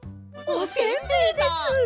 おせんべいです！